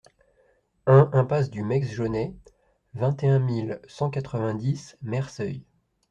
un impasse du Meix Jauney, vingt et un mille cent quatre-vingt-dix Merceuil